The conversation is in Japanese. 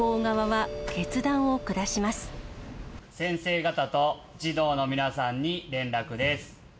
先生方と児童の皆さんに連絡です。